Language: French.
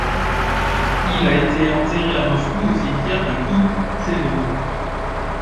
Il a été enterré à Moscou au cimetière de Kountsevo.